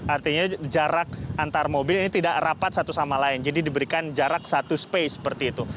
artinya jarak antar mobil ini tidak rapat satu sama lain jadi diberikan jarak satu space seperti itu